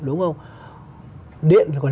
đúng không điện còn